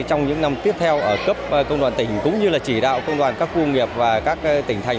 trong những năm tiếp theo ở cấp công đoàn tỉnh cũng như là chỉ đạo công đoàn các khu nghiệp và các tỉnh thành